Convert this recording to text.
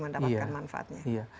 mendapatkan manfaatnya iya